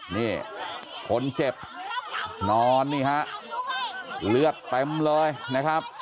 นี่คนเจ็บนอนนี่ฮะเลือดเต็มเลยนะครับ